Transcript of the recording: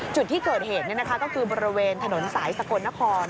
จุดที่เกิดเหตุก็คือบริเวณถนนสายสกลนคร